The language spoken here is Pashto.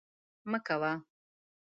مه کوه